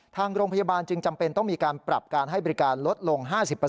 ทางโรงพยาบาลจึงจำเป็นต้องมีการปรับการให้บริการลดลง๕๐